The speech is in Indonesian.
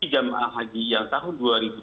jemaah haji yang tahun dua ribu dua puluh